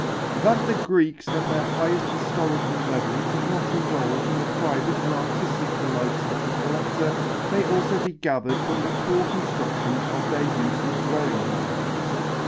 That the Greeks at their highest historical level did not indulge in the private and artistic delights of the collector may also be gathered from the poor construction of their usual dwelling houses.